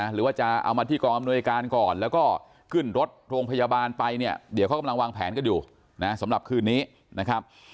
หรือว่าจะเอามาที่กองอำนวยการก่อนแล้วก็ขึ้นรถโรงพยาบาลไปเนี่ยเดี๋ยวเขากำลังวางแผนกันอยู่นะสำหรับคืนนี้นะครับ